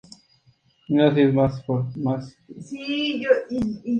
Estas características se combinan con un lenguaje de programación propio.